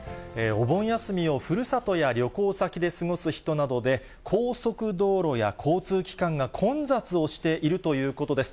お盆休みをふるさとや旅行先で過ごす人などで、高速道路や交通機関が混雑をしているということです。